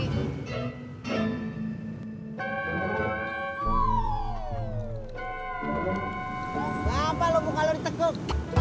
kenapa lo mau kalori teguk